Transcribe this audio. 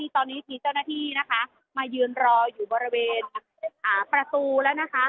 ตอนนี้คือเจ้าหน้าที่มายืนรออยู่บริเวณประตูแล้ว